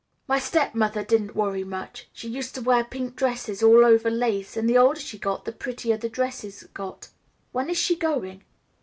My stepmother didn't worry much; she used to wear pink dresses all over lace, and the older she got the prettier the dresses got. When is she going?"